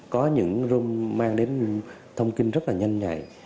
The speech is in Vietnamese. có những rome mang đến thông tin rất là nhanh nhạy